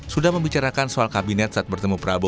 sudah membicarakan soal kabinet saat bertemu prabowo